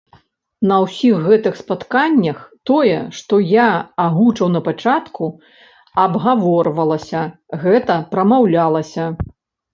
На ўсіх гэтых спатканнях тое, што я агучыў на пачатку, абгаворвалася, гэта прамаўлялася.